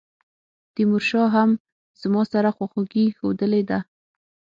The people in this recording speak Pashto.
تیمورشاه هم زما سره خواخوږي ښودلې ده.